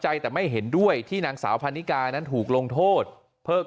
ใจแต่ไม่เห็นด้วยที่นางสาวพันนิกานั้นถูกลงโทษเพิ่ม